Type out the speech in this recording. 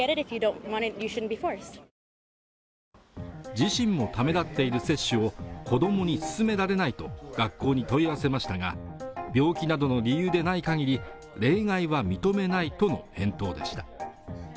自身もためらっている接種を子供に勧められないと学校に問い合わせましたが病気などの理由でない限り例外は認めないとの返答でした